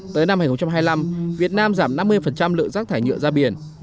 tới năm hai nghìn hai mươi năm việt nam giảm năm mươi lượng rác thải nhựa ra biển